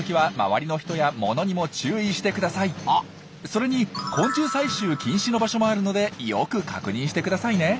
それに昆虫採集禁止の場所もあるのでよく確認してくださいね。